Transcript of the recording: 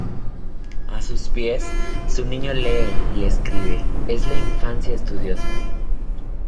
A sus pies, su niño lee y escribe, es la infancia estudiosa.